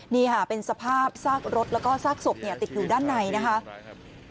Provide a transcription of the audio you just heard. นี่ค่ะเป็นสภาพซากรถแล้วก็ซากศพติดอยู่ด้านในนะครับ